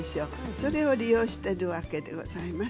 それを利用するわけでございます。